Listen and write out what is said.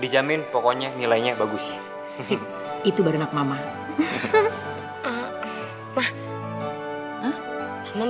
di jamin pokoknya nilainya bagus doo afp itu bar unlimited